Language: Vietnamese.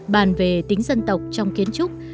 bàn về tính dân tộc trong kiến trúc